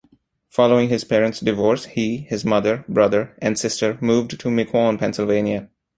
Following his parents' divorce, he, his mother, brother and sister moved to Miquon, Pennsylvania.